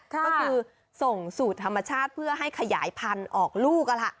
ก็คือส่งสูตรธรรมชาติเพื่อให้ขยายพันธุ์ออกลูก